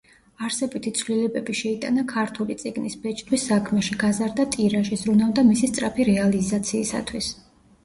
არსებითი ცვლილებები შეიტანა ქართული წიგნის ბეჭდვის საქმეში, გაზარდა ტირაჟი, ზრუნავდა მისი სწრაფი რეალიზაციისათვის.